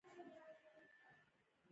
کاناډا د دې کار مخالفت کوي.